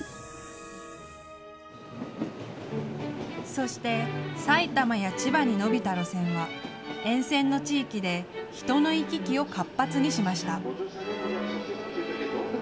そして埼玉や千葉に延びた路線は沿線の地域で人の行き来を活発にしました。